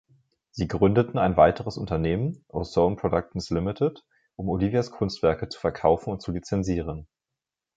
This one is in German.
Sie gründeten ein weiteres Unternehmen, Ozone Productions, Limited, um Olivias Kunstwerke zu verkaufen und zu lizenzieren.